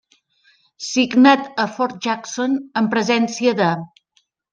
Signat a Fort Jackson, en presència de--